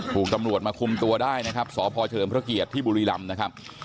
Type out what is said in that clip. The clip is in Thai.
ถูกตำรวจมาคุมตัวได้นะครับสพเฉลิมพระเกียรติที่บุรีรำนะครับ